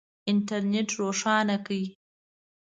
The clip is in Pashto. انټرنېټ روښانه کړئ